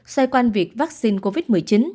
xoay quanh việc vaccine covid một mươi chín